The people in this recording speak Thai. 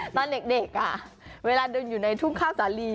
ตอนเด็กเวลาเดินอยู่ในทุ่งข้าวสาลี